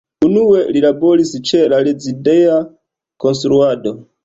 Unue li laboris ĉe la rezideja konstruado.